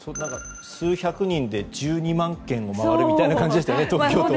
数百人で１２万軒を回るみたいな感じでしたよね東京都。